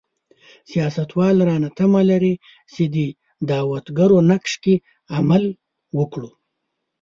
سیاستوال رانه تمه لري چې دعوتګرو نقش کې عمل وکړو.